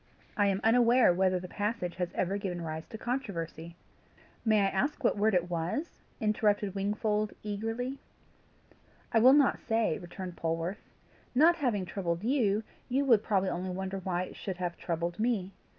I am unaware whether the passage has ever given rise to controversy." "May I ask what word it was?" interrupted Wingfold, eagerly. "I will not say," returned Polwarth. "Not having troubled you, you would probably only wonder why it should have troubled me.